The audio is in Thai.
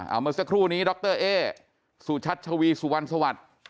เอาเมื่อสักครู่นี้ดรเอ๊สุชัชวีสุวรรณสวัสดิ์